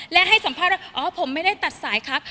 และให้สัมภาษณ์ว่าอ๋อผมไม่ได้ตัดสายครับ